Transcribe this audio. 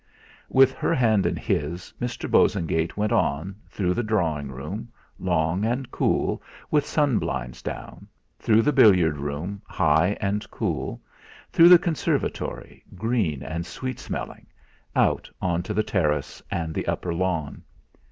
With her hand in his, Mr. Bosengate went on, through the drawing room, long and cool, with sun blinds down, through the billiard room, high and cool, through the conservatory, green and sweet smelling, out on to the terrace and the upper lawn.